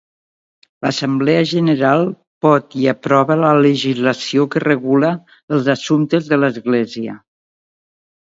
L'Assemblea General pot i aprova la legislació que regula els assumptes de l'església.